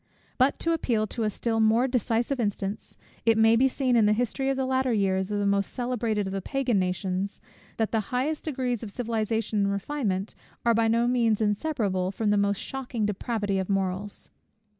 But to appeal to a still more decisive instance: it may be seen in the history of the latter years of the most celebrated of the Pagan nations, that the highest degrees of civilization and refinement are by no means inseparable from the most shocking depravity of morals.